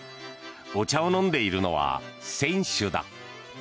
お茶を飲んでいるのは選手だ。